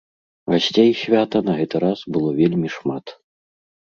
Гасцей свята на гэты раз было вельмі шмат.